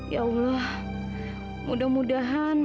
ya allah mudah mudahan masih ada sesuatu